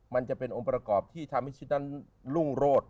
มันจะเป็นองค์ประกอบที่ทำให้ชิดนั้นรุ่งโรด